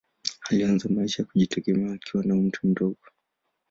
Alianza maisha ya kujitegemea akiwa na umri mdogo.